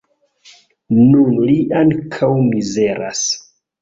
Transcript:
Nun li ankaŭ mizeras.